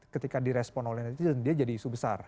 ketika di respon oleh netizen dia jadi isu besar